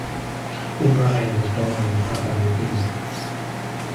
O’Brien was born in Papua New Guinea.